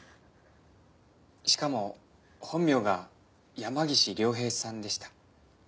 しかも本名が山岸凌平さんでした。